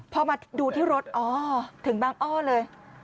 พอมาดูที่รถอ๋อถึงบางอ้อเลย